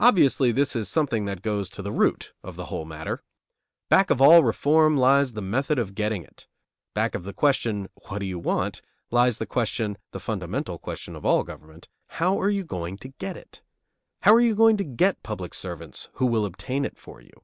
Obviously, this is something that goes to the root of the whole matter. Back of all reform lies the method of getting it. Back of the question, What do you want, lies the question, the fundamental question of all government, How are you going to get it? How are you going to get public servants who will obtain it for you?